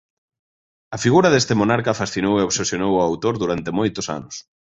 A figura deste monarca fascinou e obsesionou o autor durante moitos anos.